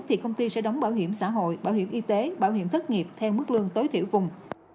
thì công ty sẽ đóng bảo hiểm xã hội bảo hiểm y tế bảo hiểm thất nghiệp theo mức lương tối thiểu vùng